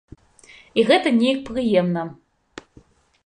І гэта неяк прыемна.